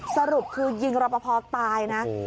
สรุปคือยิงรับประพอตายนะ